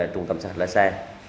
trung tâm xã hội lái xe